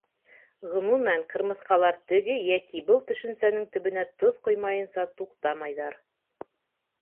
Ғөмүмән, ҡырмыҫҡалар теге йәки был төшөнсәнең төбөнә тоҙ ҡоймайынса туҡтамайҙар.